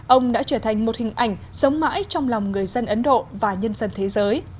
ông đã trở thành một hình ảnh sống mãi trong lòng người dân ấn độ và nhân dân thế giới